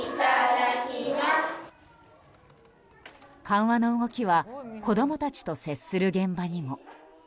緩和の動きは子供たちと接する現場にも。